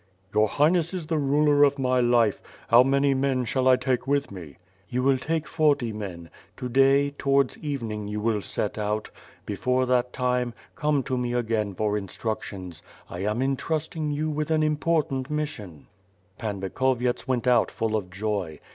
"Your Highness is the ruler of my life. How many men shall I take with me?" "You wiW take forty men. To day, towards evening, you will set out. Before that time, come to me again for in structions. I am intrusting you with an important mission." Pan Bikhoveyets went out full of joy.